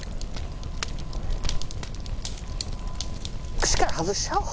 串から外しちゃおう。